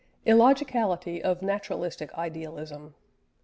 ILLOGICALITY OF NATURALISTIC IDEALISM.